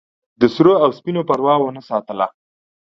د سرو او سپینو پروا ونه ساتله.